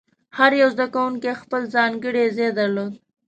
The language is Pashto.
هر یو زده کوونکی خپل ځانګړی ځای درلود.